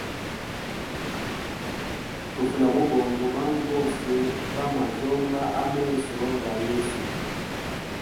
Tufu lya mubongo bandu bose ba mwajyomba a meso ga yesu.